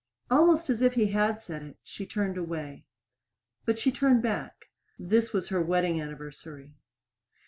Almost as if he had said it, she turned away. But she turned back. This was her wedding anniversary.